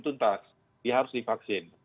tuntas dia harus divaksin